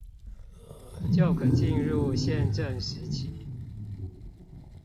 就可進入憲政時期